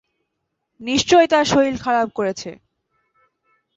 নিশ্চয়ই তাঁর শরীর খারাপ করেছে।